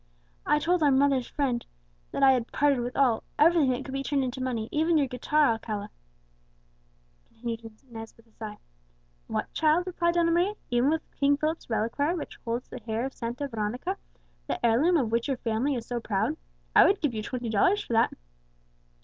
"I told our mother's friend that I had parted with all, everything that could be turned into money, even your guitar, Alcala," continued Inez with a sigh. "'What, child!' replied Donna Maria, 'even with King Philip's reliquary, which holds the hair of Santa Veronica, the heirloom of which your family is so proud? I would give you twenty dollars for that!'"